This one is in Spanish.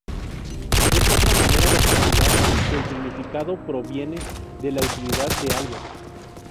Es otra manera de formular que el significado proviene de la utilidad de algo.